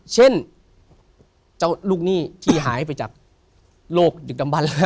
เช่นเจ้าลูกหนี้ที่หายไปจากโรคดึกดำบันแล้ว